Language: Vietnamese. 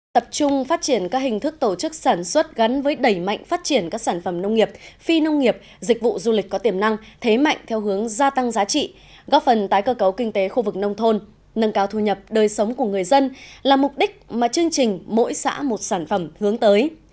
tập trung phát triển các hình thức tổ chức sản xuất gắn với đẩy mạnh phát triển các sản phẩm nông nghiệp phi nông nghiệp dịch vụ du lịch có tiềm năng thế mạnh theo hướng gia tăng giá trị góp phần tái cơ cấu kinh tế khu vực nông thôn nâng cao thu nhập đời sống của người dân là mục đích mà chương trình mỗi xã một sản phẩm hướng tới